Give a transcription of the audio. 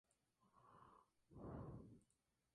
El vídeo musical es un extracto de la misma película.